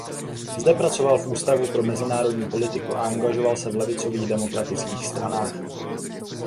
Zde pracoval v Ústavu pro mezinárodní politiku a angažoval se v levicových demokratických stranách.